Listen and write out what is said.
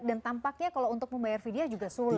dan tampaknya kalau untuk membayar fidyah juga sulit